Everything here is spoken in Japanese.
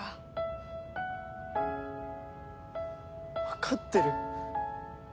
わかってる。